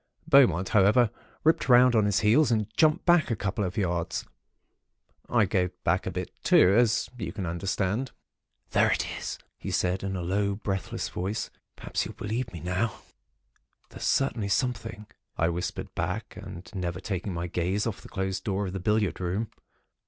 Beaumont, however, ripped round on his heels, and jumped back a couple of yards. I gave back too, a bit, as you can understand. "'There it is,' he said, in a low, breathless voice. 'Perhaps you'll believe now.' "'There's certainly something,' I whispered back, and never taking my gaze off the closed door of the billiard room.